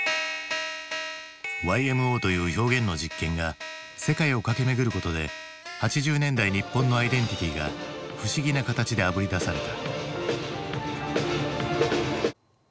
ＹＭＯという表現の実験が世界を駆け巡ることで８０年代日本のアイデンティティーが不思議な形であぶり出された。